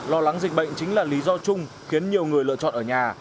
lo lắng dịch bệnh chính là lý do chung khiến nhiều người lựa chọn ở nhà